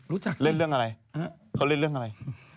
รู้จักเล่นเรื่องอะไรเขาเล่นเรื่องอะไร